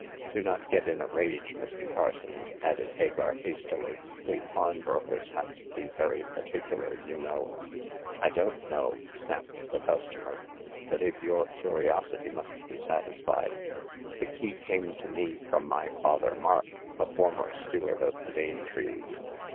Do not get in a rage, Mr. Parsons," added Hagar, hastily ;" we pawnbrokers have to be very particular, you know." I don't know," snapped the customer ;" but if your curiosity must be satisfied, the key came to me from my father Mark, a former steward of the Danetrees.